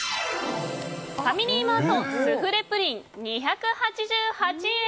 ファミリーマートスフレ・プリン、２８８円。